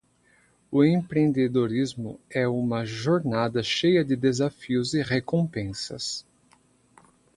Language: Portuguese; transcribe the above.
O empreendedorismo é uma jornada cheia de desafios e recompensas.